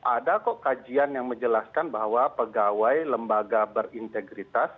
ada kok kajian yang menjelaskan bahwa pegawai lembaga berintegritas